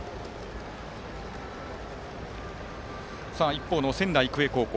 一方の仙台育英高校。